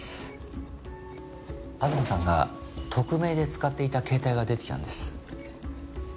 東さんが匿名で使っていた携帯が出てきたんです。